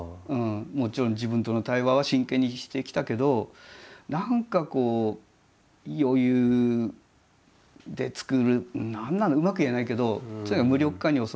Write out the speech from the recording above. もちろん自分との対話は真剣にしてきたけど何かこう余裕で作る何なんだうまく言えないけどとにかく無力感に襲われて。